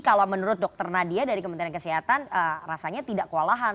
kalau menurut dokter nadia dari kementerian kesehatan rasanya tidak kualahan